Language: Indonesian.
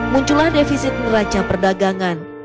muncullah defisit neraca perdagangan